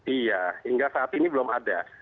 iya hingga saat ini belum ada